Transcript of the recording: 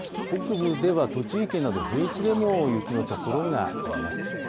北部では栃木県など平地でも雪の所があります。